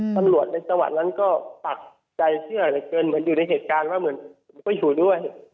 ตำรวจในจังหวัดนั้นก็ปักใจเชื่อเหลือเกินเหมือนอยู่ในเหตุการณ์ว่าเหมือนผมก็อยู่ด้วย